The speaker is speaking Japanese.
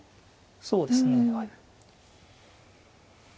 そうですね。